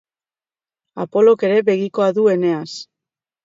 Apolok ere begikoa du Eneas.